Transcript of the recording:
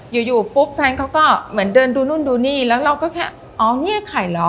อยู่อยู่ปุ๊บแฟนเขาก็เหมือนเดินดูนู่นดูนี่แล้วเราก็แค่อ๋อเนี่ยไข่เหรอ